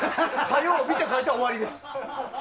火曜日って書いたら終わりです。